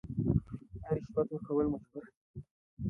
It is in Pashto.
آیا رشوت ورکول مجبوري ده؟